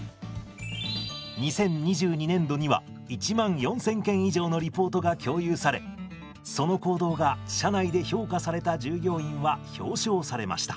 ２０２２年度には１万４，０００件以上のリポートが共有されその行動が社内で評価された従業員は表彰されました。